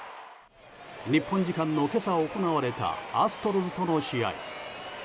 日本時間の今朝行われたアストロズとの試合。